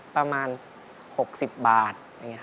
ประมาณ๖๐บาท